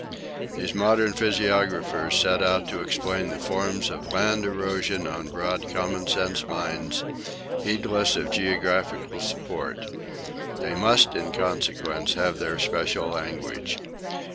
These modern physiographers set out to explain the forms of land erosion on broad common sense lines, heedless of geological support. They must, in consequence, have their special language.